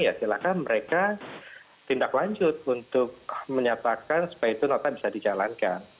ya silahkan mereka tindak lanjut untuk menyatakan supaya itu nota bisa dijalankan